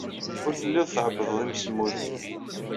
Ur telliḍ tɛebbdeḍ imsemmuden.